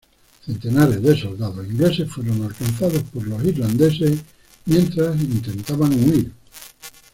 Centenares de soldados ingleses fueron alcanzados por los irlandeses mientras intentaban huir.